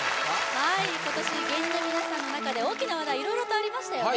はい今年芸人の皆さんの中で大きな話題色々とありましたよね